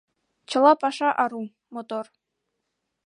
Чыла паша ару, мотор.